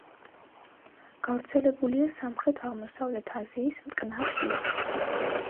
გავრცელებულია სამხრეთ-აღმოსავლეთ აზიის მტკნარ წყლებში.